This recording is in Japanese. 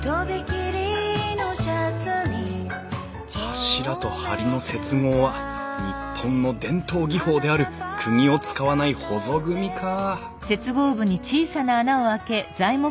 柱と梁の接合は日本の伝統技法であるくぎを使わないほぞ組みか